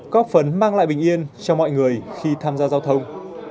có phấn mang lại bình yên cho mọi người khi tham gia giao thông